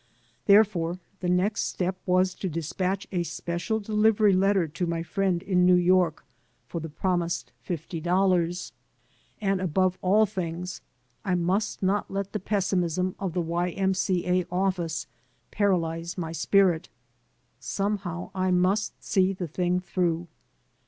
Therefore the next step was to despatch a special delivery letter to my friend in New York for the promised fifty dollars. And, above all things, I must not let the pessimism of the Y.M.C. A, office para lyze my spirit. Somehow I must see the thing through.